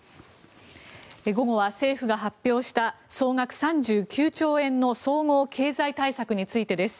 午後は政府が発表した総額３９兆円の総合経済対策についてです。